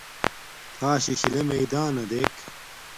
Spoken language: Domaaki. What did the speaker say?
تھݳ شِشِلݺ مݵدݳنݳ دݵک.